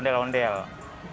misalnya bicara dengan anak anak